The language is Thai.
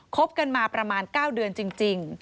คบกันมาประมาณ๙เดือนจริง